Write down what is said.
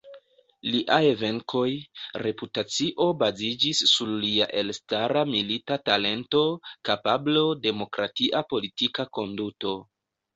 Liaj venkoj, reputacio baziĝis sur lia elstara milita talento, kapablo, demokratia politika konduto.